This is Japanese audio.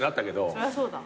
そりゃそうだ。